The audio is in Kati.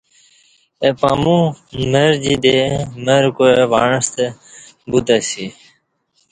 اہ پاَمو مر جی دی مر کوع وعݩستہ بوتہ اسی